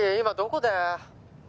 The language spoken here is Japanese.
今どこだよ？